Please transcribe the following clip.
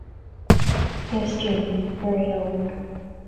"Yes, Jim" - very low.